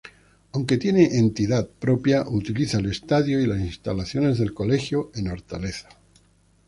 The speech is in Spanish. Aunque tiene entidad propia utiliza el estadio y las instalaciones del colegio en Hortaleza.